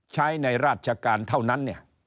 ใช้ในราชการเท่านั้น